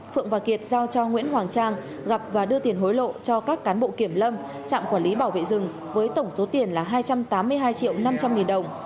phượng và kiệt giao cho nguyễn hoàng trang gặp và đưa tiền hối lộ cho các cán bộ kiểm lâm trạm quản lý bảo vệ rừng với tổng số tiền là hai trăm tám mươi hai triệu năm trăm linh nghìn đồng